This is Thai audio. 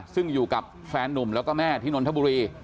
ซึ่งอยู่กับแฟนนุ่มแล้วก็แม่ที่นนทบุรี